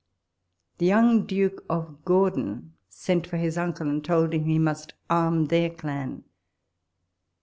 The young Duke of Gordon sent for his uncle, and told him he must arm their clan.